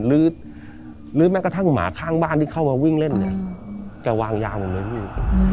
หรือแม้กระทั่งหมาข้างบ้านที่เข้ามาวิ่งเล่นเนี่ยจะวางยาตรงนี้พี่